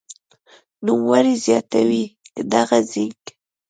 نوموړې زیاتوي که دغه زېنک